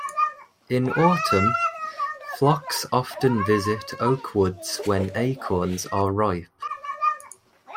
In autumn, flocks often visit oak woods when acorns are ripe.